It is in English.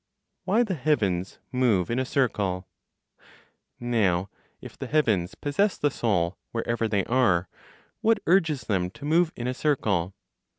WHY THE HEAVENS MOVE IN A CIRCLE. Now, if the heavens possess the Soul, wherever they are, what urges them to move in a circle?